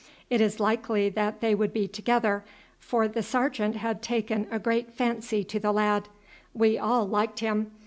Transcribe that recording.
It is likely that they would be together, for the sergeant had taken a great fancy to the lad. We all liked him.